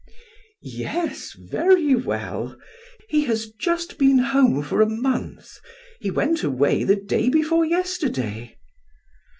"Yes, very well. He has just been home for a month; he went away the day before yesterday."